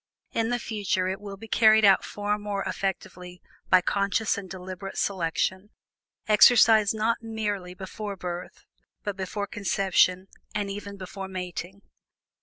In the future, it will be carried out far more effectively by conscious and deliberate selection, exercised not merely before birth, but before conception and even before mating.